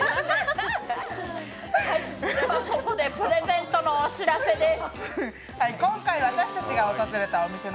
ここでプレゼントのお知らせです。